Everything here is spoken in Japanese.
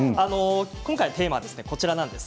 今回のテーマはこちらです。